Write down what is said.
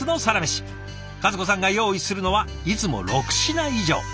和子さんが用意するのはいつも６品以上。